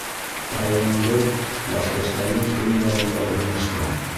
— Районыбыҙ Башҡортостандың көньяғында урынлашҡан.